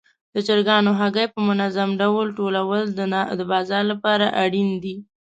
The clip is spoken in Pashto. د چرګانو هګۍ په منظم ډول ټولول د بازار لپاره اړین دي.